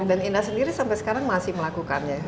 dan indah sendiri sampai sekarang masih melakukannya